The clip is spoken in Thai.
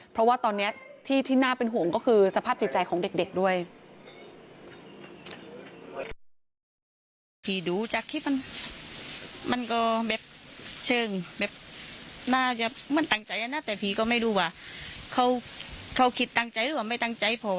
เพราะว่าตอนนี้ที่น่าเป็นห่วงก็คือสภาพจิตใจของเด็กด้วย